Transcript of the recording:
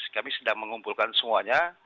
kami sedang mengumpulkan semuanya